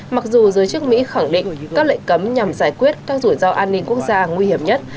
mặc dù giới chức mỹ khẳng định các lệnh cấm nhằm giải quyết các rủi ro an ninh quốc gia nguy hiểm nhất